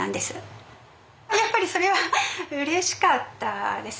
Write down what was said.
やっぱりそれはうれしかったです。